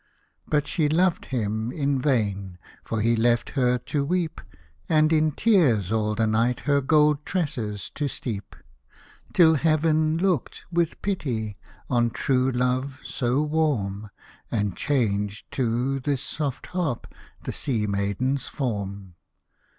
But she loved him in vain, for he left her to weep, And in tears, all the night, her gold tresses to steep ; Till heav'n looked with pity on true love so warm, And changed to this soft Harp the sea maiden's form.